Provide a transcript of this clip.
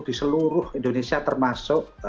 di seluruh indonesia termasuk